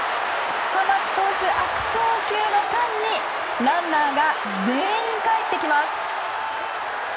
浜地投手、悪送球の間にランナーが全員かえってきます。